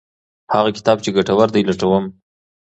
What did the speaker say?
هغه کتاب چې ګټور دی لټوم.